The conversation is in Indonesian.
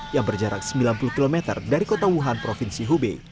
yang berjarak sembilan puluh km dari kota wuhan provinsi hubei